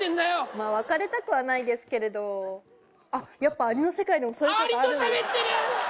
まあ別れたくはないですけれどあっやっぱアリの世界でもそういうことあるんですねえっアリと喋ってる！